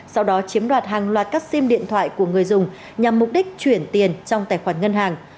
sau đó chiếm đoạt hàng loạt các sim điện thoại của người dùng nhằm mục đích chuyển tiền trong tài khoản ngân hàng